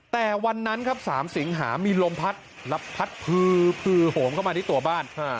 แต่วันนั้นครับ๓สิงหามีลมพัดแล้วพัดพือโหมเข้ามาที่ตัวบ้าน